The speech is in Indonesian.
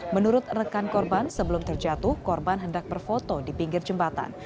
menurut rekan korban sebelum terjatuh korban hendak berfoto di pinggir jembatan